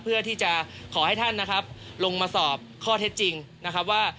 เพื่อที่จะขอให้ท่านนะครับลงมาสอบข้อเท็จจริงนะครับว่า